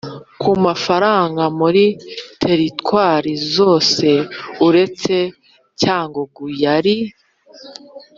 Ku mafaranga muri teritwari zose uretse cyangugu yari